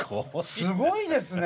すごいですね。